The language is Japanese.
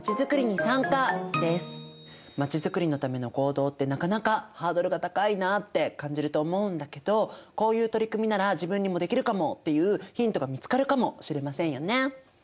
まちづくりのための行動ってなかなかハードルが高いなって感じると思うんだけどこういう取り組みなら自分にもできるかもっていうヒントが見つかるかもしれませんよね。